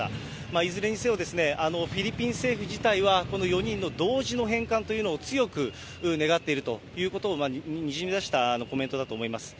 いずれにせよフィリピン政府自体はこの４人の同時の返還というのを強く願っているということをにじみ出したコメントだと思います。